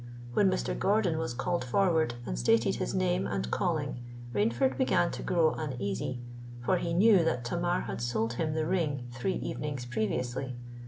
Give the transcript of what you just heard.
When Mr. Gordon was called forward, and stated his name and calling, Rainford began to grow uneasy; for he knew that Tamar had sold him the ring three evenings previously.